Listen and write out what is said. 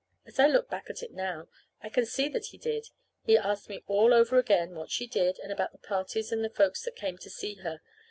As I look back at it now, I can see that he did. He asked me all over again what she did, and about the parties and the folks that came to see her.